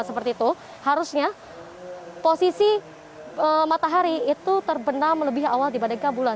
seperti itu harusnya posisi matahari itu terbenam lebih awal dibandingkan bulan